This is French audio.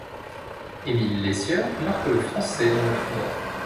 Émile Lesieur marque le français dans le tournoi.